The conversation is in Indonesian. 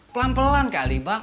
pelan pelan kak aliba